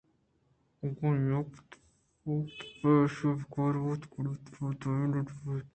اگاں یکے ءِ تہا تو بئے ایشی پہ کار بوت گڑا ترا دومی ءَ لڈّگ لوٹیت